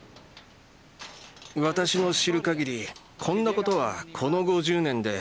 私の知る限りこんなことはこの５０年で初めてです。